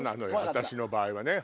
私の場合はね。